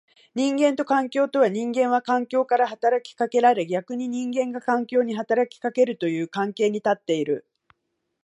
人間と環境とは、人間は環境から働きかけられ逆に人間が環境に働きかけるという関係に立っている。